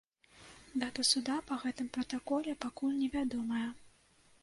Дата суда па гэтым пратаколе пакуль невядомая.